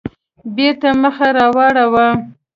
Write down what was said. بېرته يې مخ راواړاوه.